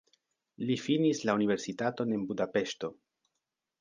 Li finis la universitaton en Budapeŝto.